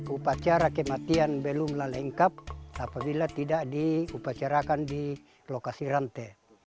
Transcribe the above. upacara kematian belumlah lengkap apabila tidak diupacarakan di lokasi rantai